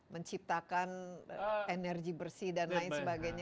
menciptakan energi bersih dan lain sebagainya